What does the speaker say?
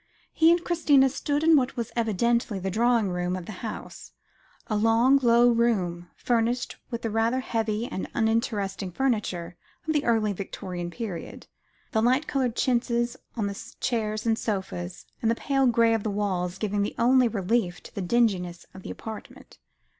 He and Christina stood in what was evidently the drawing room of the house a long low room, furnished with the rather heavy and uninteresting furniture of the early Victorian period, the light coloured chintzes on the chairs and sofas, and the pale grey of the walls, giving the only relief to the dinginess of the apartment.